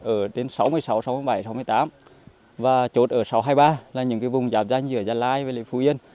ở đến sáu mươi sáu sáu mươi bảy sáu mươi tám và chốt ở sáu trăm hai mươi ba là những cái vùng giảm danh giữa gia lai và phú yên